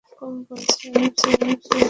কম বয়সে, বিশ্রামই সেরা চিকিৎসা।